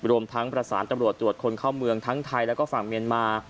รวมทั้งประสานตำรวจตรวจคนเข้าเมืองทั้งไทยแล้วก็ฝั่งเมียนมา